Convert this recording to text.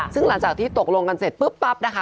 ซึ่งหลังจากที่ตกลงกันเสร็จปุ๊บปั๊บนะคะ